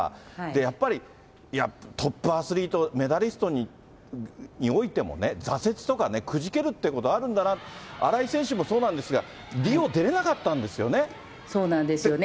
やっぱり、いや、トップアスリート、メダリストにおいてもね、挫折とかくじけるっていうこと、あるんだなって、新井選手もそうなんですが、リオ出れなかったんですよね。